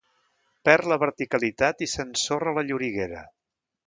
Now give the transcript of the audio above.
Perd la verticalitat i s'ensorra a la lloriguera.